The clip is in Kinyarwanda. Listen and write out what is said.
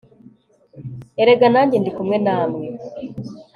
erega nanjye ndi kumwe namwe